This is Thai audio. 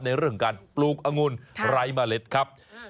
ในเรื่องการปลูกองุ่นไร้เมล็ดครับ